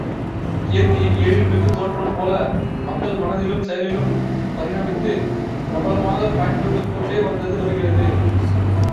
இயற்கையின் எழில்மிகு தோற்றம் போல, மக்கள் மனதிலும் செயலிலும் பரிணமித்து, பிரபலமாக பயன்பட்டுக் கொண்டே வந்தது வருகிறது.